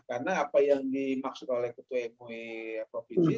karena apa yang dimaksud oleh ketua moe provinsi